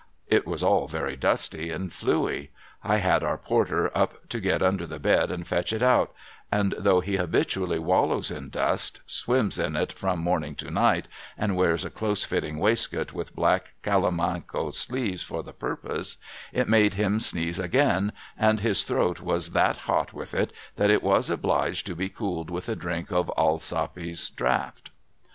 It was all very dusty and fluey. I had our porter up to get under the bed and fetch it out ; and though he habitually wallows in dust, — swims in it from morning to night, and wears a close fitting waistcoat with black calimanco sleeves for the purpose,— it made him sneeze again, and his throat was that hot with it that it was obliged to be cooled with a drink of Allsopp's draft.